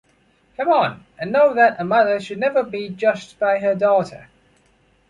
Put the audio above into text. Come on, and know that a mother should never be judged by her daughter…